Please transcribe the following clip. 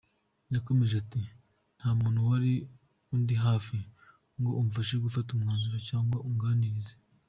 Yakomeje ati “nta muntu wari undi hafi ngo amfashe gufata umwanzuro cyangwa anganirize.